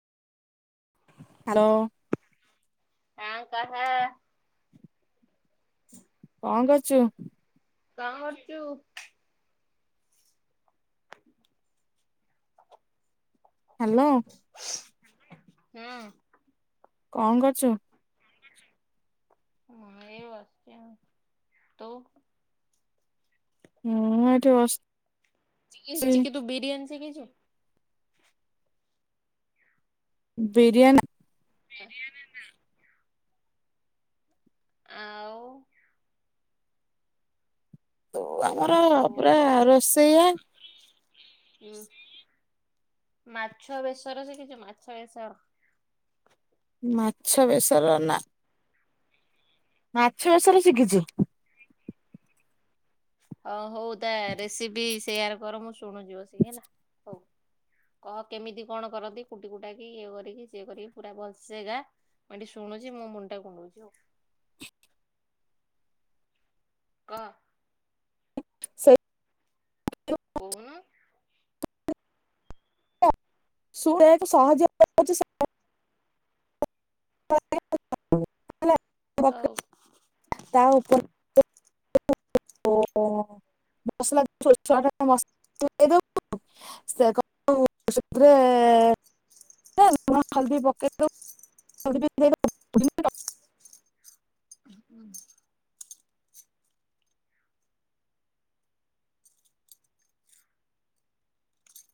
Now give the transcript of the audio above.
Hello ଙ୍କା କହ। [inaudible] ଙ୍କ କରୁଚୁ? ଙ୍କ କରୁଚୁ? [inaudible] ହ୍ୟାଲୋ। ହୁଁ। ଙ୍କ କରୁଚୁ? ମୁଁ ଏଇ ବସିଛି ଆଉ। ତୁ? ମୁଁ ଏଠି ବସ ଚିକି ଚିକି ତୁ ବିରିଆନି ଶିଖିଛୁ? ବିରିଆନ ବିରିଆନି ନା। ଆଉ ତୁ ଆମର ପୁରା ରୋଷେୟା ହୁଁ। ମାଛ ବେସର ସିକିଚୁ ମାଛ ବେସର? ମାଛ ବେସର ନା ମାଛ ବେସର ଶିକିଚୁ। ଓ ହଉ ତା ରେସିପି ସେୟାର କର ମୁଁ ଶୁଣୁଛି ବସିକି ହେଲା। ହୋଉ। କହ କେମିତି କଣ କରନ୍ତି କୁଟି କୁଟା କି ଇଏ କରିକି ସିଏ କରିକି ପୁରା ଭଲସେଗା ମୁଁ ଏଠି ଶୁଣୁଛି ମୋ ମୁଣ୍ଡଟା କୁଣ୍ଡଉଛି ଆଉ। କ ସେଇ କୋଉନୁ? ସୁ ଏକ ସହଯ୍ୟଛି ହଉ। [unintelligible] [inaudible] ତା ଉପରେ ଓ ମସଲା ଛୋ ଛଆ ଟସଲା ଦେଇବ [unintelligible] [unintelligible] ଲୁଣ ହଳଦୀ ପକେଇବ [unintelligible] [inaudible]